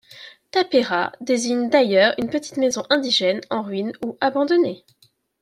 Tapera désigne d'ailleurs une petite maison indigène en ruine ou abandonnée.